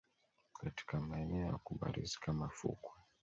katika maeneo ya kubarizi kama fukwe